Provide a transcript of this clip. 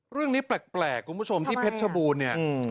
เรื่องนี้แปลกคุณผู้ชมที่เพชรชบูรณ์เนี่ย